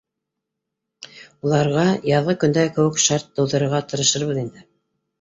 Уларға яҙғы көндәге кеүек шарт тыуҙырырға тырышырбыҙ инде